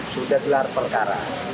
sudah telah berkara